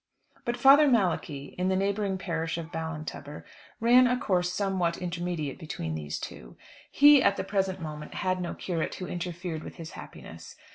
But Father Malachi, in the neighbouring parish of Ballintubber, ran a course somewhat intermediate between these two. He, at the present moment, had no curate who interfered with his happiness.